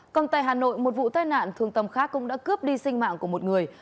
còn tại hà nội một vụ tai nạn thương tâm khác cũng đã cướp đi sinh mạng của một người